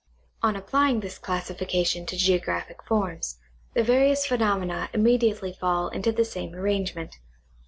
On applying this classification to geographic forms, the various phenomena immediately fall into the same arrangement.